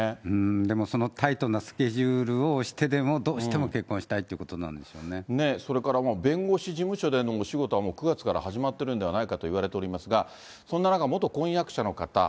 でもそのタイトなスケジュールを押してでもどうしても結婚しそれから、弁護士事務所でのお仕事はもう９月から始まってるんではないかといわれていますが、そんな中、元婚約者の方。